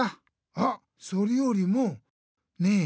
あっそれよりもねえ